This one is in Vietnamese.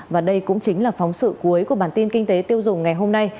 và đây cũng chính là phóng sự cuối của bản tin kinh tế tiêu dùng ngày hôm nay